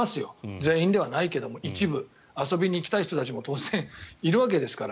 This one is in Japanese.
全員ではないけど一部、遊びに行きたい人も当然、いるわけですから。